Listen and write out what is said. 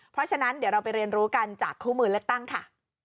เพราะฉะนั้นเดี๋ยวเราไปเรียนรู้กันจากคู่มือเลือกตั้งค่ะ